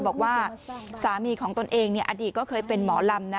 บอกว่าสามีของตนเองอดีตก็เคยเป็นหมอลำนะ